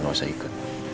gak usah ikut